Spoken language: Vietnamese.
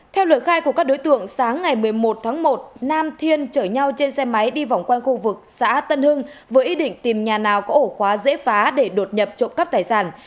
theo lời khai của các đối tượng sáng ngày một mươi một tháng một nam thiên chở nhau trên xe máy đi vòng quanh khu vực xã tân hưng với ý định tìm nhà nào có ổ khóa dễ phá để đột nhập trộm cắp tài sản